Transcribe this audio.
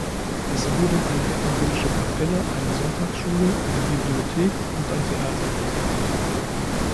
Es wurden eine evangelische Kapelle, eine Sonntagsschule, eine Bibliothek und ein Theater errichtet.